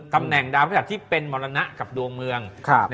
ตำแหน่งดาวพฤหัสที่เป็นมรณะกับดวงเมือง